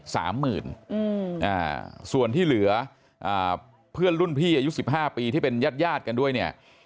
๓๐๐๐๐บาทส่วนที่เหลือเพื่อนรุ่นพี่อายุ๑๕ปีที่เป็นยาดกันด้วยเนี่ย